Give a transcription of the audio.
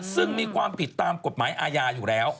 ซึ่งมีความผิดตามกฎหมายอาญาอยู่แล้ว